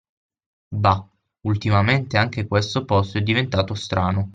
Bah, ultimamente anche questo posto è diventato strano.